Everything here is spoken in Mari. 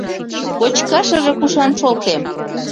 — Кочкашыже кушан шолтем?